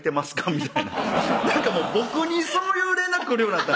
みたいな僕にそういう連絡来るようになったんです